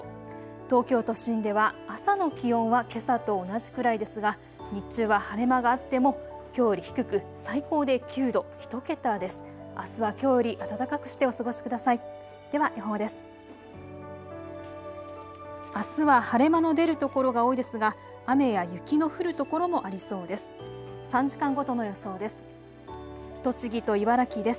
東京都心では朝の気温はけさと同じくらいですが日中は晴れ間があってもきょうより低く最高で９度、１桁です。